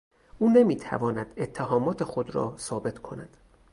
او نمیتواند اتهامات خود را ثابت کند.